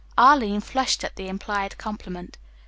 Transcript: Arline flushed at the implied compliment.